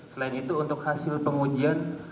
selain itu untuk hasil pengujian